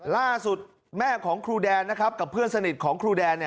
ล่าสุดแม่ของครูแดนนะครับกับเพื่อนสนิทของครูแดน